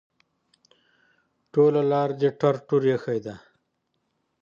ټوله لار دې ټر ټور ایښی ده.